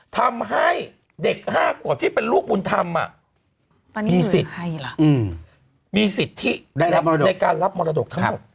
ทำให้เด็ก๕ขวบที่เป็นลูกบุญธรรมมีสิทธิในการรับมรดกทั้งหมด